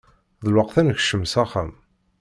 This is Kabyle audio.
D lweqt ad nekcem s axxam.